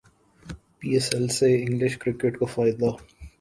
پی S L سے English cricket کو فائدہ